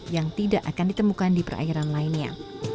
yang tidak akan ditemukan di perairan lainnya